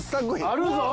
あるぞ！